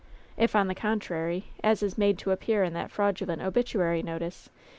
If, on the contrary, as is made to appear in that fraudulent obituary notice.